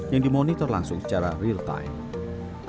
yang dimonitor langsung secara real time